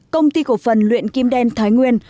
công ty cổ phần luyện kim đen thái nguyên